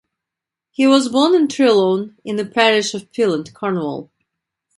He was born at Trelawne in the parish of Pelynt, Cornwall.